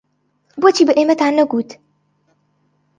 بۆچی بە ئێمەتان نەگوت؟